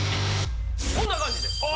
こんな感じです。